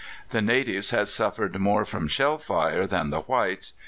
The natives had suffered more from shell fire than the whites.